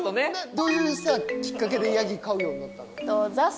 どういうきっかけでヤギ飼うようになったの？